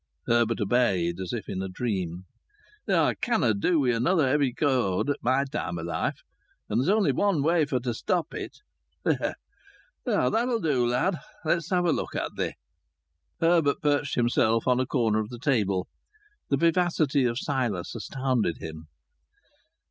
Herbert obeyed, as if in a dream. "I canna do wi' another heavy cowd [cold] at my time o' life, and there's only one way for to stop it. There! That'll do, lad. Let's have a look at thee." Herbert perched himself on a corner of the table. The vivacity of Silas astounded him.